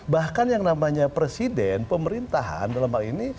bahkan yang namanya presiden pemerintahan dalam hal ini